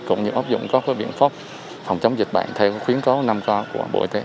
cũng như áp dụng các biện pháp phòng chống dịch bệnh theo khuyến cáo năm sáu của bộ y tế